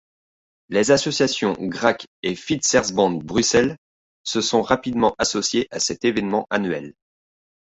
Les associations Gracq et Fietsersbond Brussel se sont rapidement associées à cet événement annuel.